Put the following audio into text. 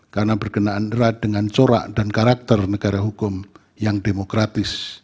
karena berkenaan dengan corak dan karakter negara hukum yang demokratis